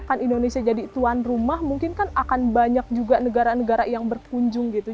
bahkan indonesia jadi tuan rumah mungkin kan akan banyak juga negara negara yang berkunjung gitu